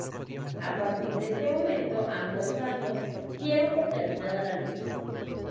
A partir de este momento, ambos bandos dieron por terminada la lucha.